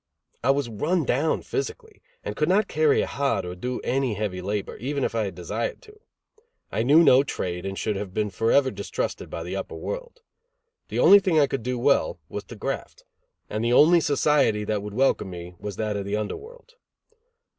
I was run down physically, and could not carry a hod or do any heavy labor, even if I had desired to. I knew no trade and should have been forever distrusted by the upper world. The only thing I could do well was to graft; and the only society that would welcome me was that of the under world.